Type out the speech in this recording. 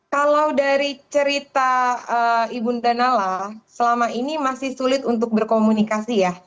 kalau dari cerita ibu nda nalla selama ini masih sulit untuk berkomunikasi ya